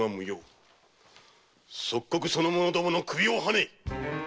即刻その者どもの首をはねい！